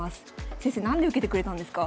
先生何で受けてくれたんですか？